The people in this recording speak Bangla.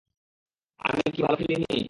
আমি কি ভালো খেলিনি?